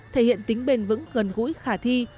thể hiện tính bền vững gần gũi khả thi